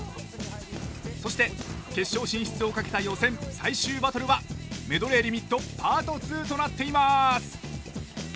そして決勝進出をかけた予選最終バトルはメドレーリミットＰａｒｔ２となっています。